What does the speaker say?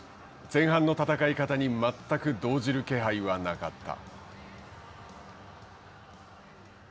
前半の戦い方に全く動じる気配はなかった。